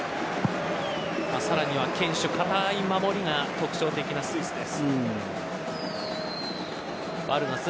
さらには堅守、堅い守りが特徴的なスイスです。